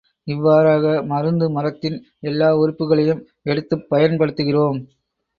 இவ்வாறாக மருந்து மரத்தின் எல்லா உறுப்புக்களையும் எடுத்துப் பயன் படுத்துகிறோம்.